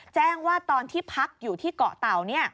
แจ้งว่าตอนที่พักอยู่ที่เกาะเต่า